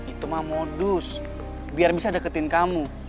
itu mah modus biar bisa deketin kamu